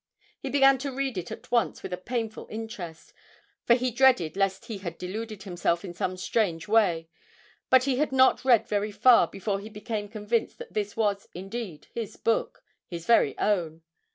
He began to read it at once with a painful interest, for he dreaded lest he had deluded himself in some strange way, but he had not read very far before he became convinced that this was indeed his book his very own.